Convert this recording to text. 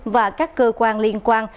và các cơ quan liên quan